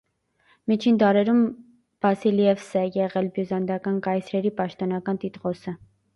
Միջին դարերում բասիլևս է եղել բյուզանդական կայսրերի պաշտոնական տիտղոսը։